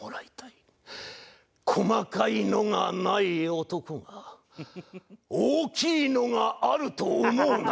細かいのがない男が大きいのがあると思うなよ！